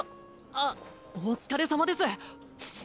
あっお疲れさまですス